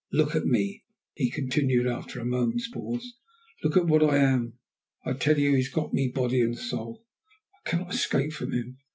Look at me," he continued, after a moment's pause. "Look what I am! I tell you he has got me body and soul. I cannot escape from him.